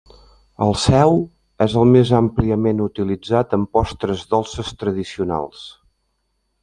El sèu és el més àmpliament utilitzat en postres dolces tradicionals.